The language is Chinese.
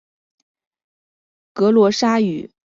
格罗沙语是一种基于语义的国际辅助语。